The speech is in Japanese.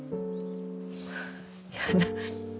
やだ。